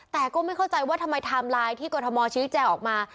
แต่ก็ไม่เข้าใจว่าทำไมไทม์ไลน์ที่กรทมชี้แจงออกมา